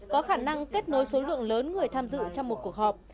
có khả năng kết nối số lượng lớn người tham dự trong một cuộc họp